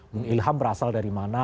bung ilham berasal dari mana